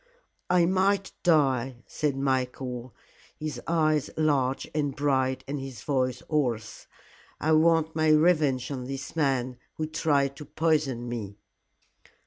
"I might die," said Michael, his eyes large and bright and his voice hoarse. "I want my revenge on this man who tried to poison me."